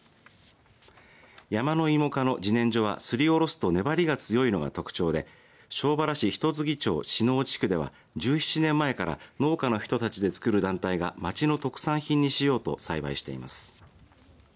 ヤマノイモ科のじねんじょはすりおろすと粘りが強いのが特徴で庄原市一木町敷信地区では１７年前から農家の人たちでつくる団体が町の特産品にしようと栽培しています。